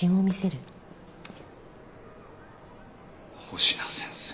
星名先生。